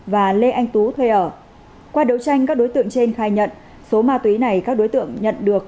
và lê anh tú thuê ở qua đấu tranh các đối tượng trên khai nhận số ma túy này các đối tượng nhận được